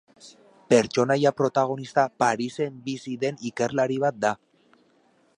Pertsonaia protagonista Parisen bizi den ikerlari bat da.